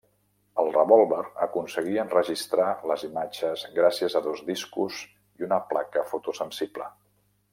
El revòlver aconseguia enregistrar les imatges gràcies a dos discos i una placa fotosensible.